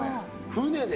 船で？